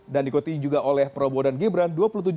dan dikuti juga oleh peroboh dan gibran